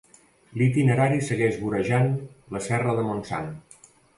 L'itinerari segueix vorejant la Serra de Montsant.